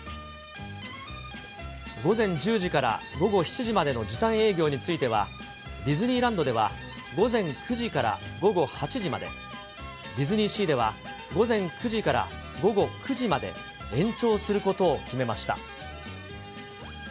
午前１０時から午後７時までの時短営業については、ディズニーランドでは午前９時から午後８時まで、ディズニーシーでは午前９時から午後９時まで、延長することを決めました。